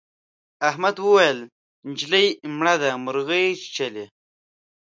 احمد وويل: نجلۍ مړه ده مرغۍ چیچلې.